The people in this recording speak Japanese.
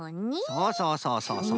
そうそうそうそうそう。